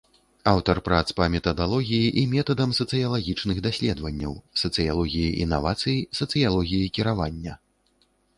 Аўтар прац па метадалогіі і метадам сацыялагічных даследаванняў, сацыялогіі інавацый, сацыялогіі кіравання.